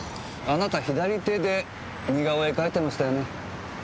あなた左手で似顔絵描いてましたよね？